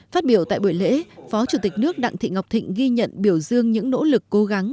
phát biểu tại buổi lễ phó chủ tịch nước đặng thị ngọc thịnh ghi nhận biểu dương những nỗ lực cố gắng